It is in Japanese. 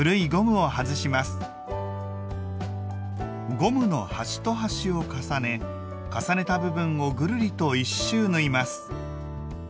ゴムの端と端を重ね重ねた部分をぐるりと１周縫います。